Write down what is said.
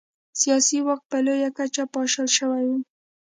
سیاسي واک په لویه کچه پاشل شوی و.